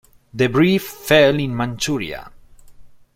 Debris fell in Manchuria.